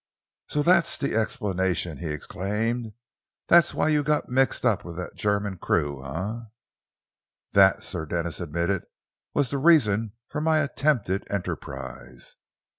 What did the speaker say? "So that's the explanation!" he exclaimed. "That was why you got mixed up with that German crew, eh?" "That," Sir Denis admitted, "was the reason for my attempted enterprise."